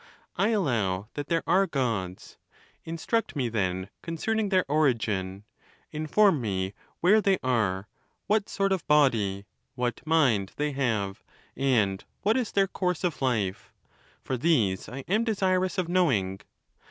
I, allow that there are Gods. Instruct me, then, con cerning their origin ; inform me where they are, what sort 'of body, what mind, they have, and what is their course of life ; for these I am desirous of knowing.